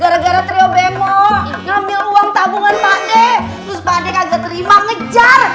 gara gara trio bengkok ngambil uang tabungan pake pake terima ngejar